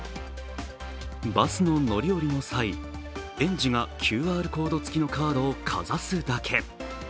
バスの乗り降りの際、園児がＱＲコードつきのコードをかざすだけ。